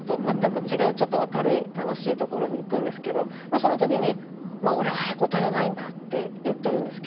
その時に俺はへこたれないんだって言ってるんですけども。